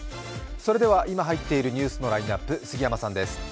それでは今入っているニュースのラインナップ、杉山さんです。